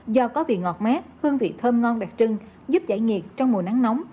do có vị ngọt mát hương vị thơm ngon đặc trưng giúp giải nghiệt trong mùa nắng nóng